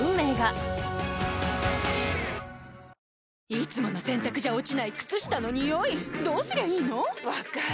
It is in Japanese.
いつもの洗たくじゃ落ちない靴下のニオイどうすりゃいいの⁉分かる。